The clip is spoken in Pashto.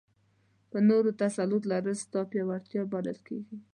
په نورو تسلط لرل ستا پیاوړتیا بلل کېږي.